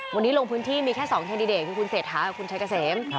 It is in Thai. วันนี้ลงพื้นที่มีแค่๒แคนดิเดตคือคุณเศรษฐากับคุณชัยเกษม